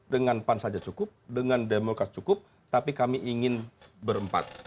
dengan pan saja cukup dengan demokrat cukup tapi kami ingin berempat